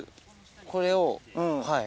これをはい。